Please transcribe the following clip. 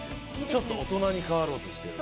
ちょっと大人に変わろうとしている。